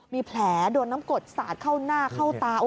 มีแผลโดนน้ำกดสาดเข้าหน้าเข้าตา